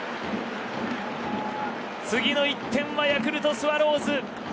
次の１点はヤクルトスワローズ。